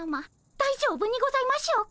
大丈夫にございましょうか？